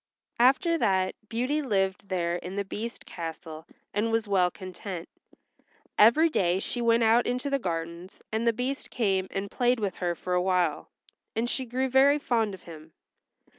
After that Beauty lived there in the Beast's castle and was well content. Every day she went out into the gardens, and the Beast came and played with her for awhile, and she grew very fond of him.